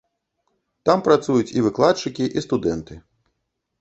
Там працуюць і выкладчыкі, і студэнты.